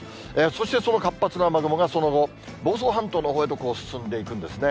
そしてその活発な雨雲がその後、房総半島のほうへと進んでいくんですね。